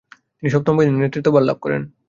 তিনি সপ্তম বাহিনীর নেতৃত্বভার লাভ করেন।